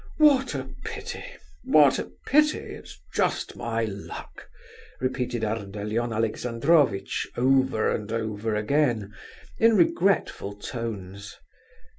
"What a pity! What a pity! It's just my luck!" repeated Ardalion Alexandrovitch over and over again, in regretful tones.